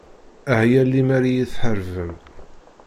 Ah ya limer iyi-theṛṛbem.